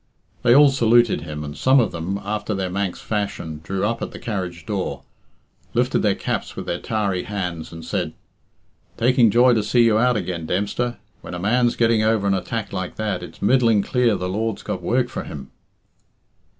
They all saluted him, and some of them, after their Manx fashion, drew up at the carriage door, lifted their caps with their tarry hands, and said "Taking joy to see you out again, Dempster. When a man's getting over an attack like that, it's middling clear the Lord's got work for him."